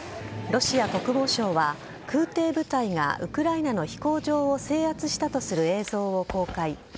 ロシア国防省は、空挺部隊がウクライナの飛行場を制圧したとする映像を公開。